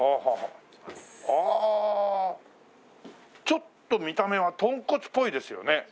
ちょっと見た目は豚骨っぽいですよね。